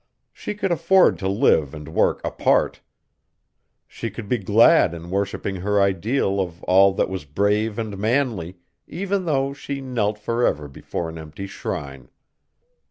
She could afford to live and work apart; she could be glad in worshipping her ideal of all that was brave and manly, even though she knelt forever before an empty shrine.